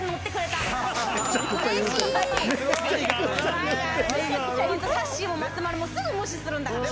さっしーも松丸も、すぐ無視するんだから。